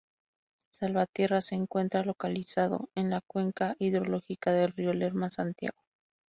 Salvatierra se encuentra localizado en la Cuenca Hidrológica del Río Lerma Santiago.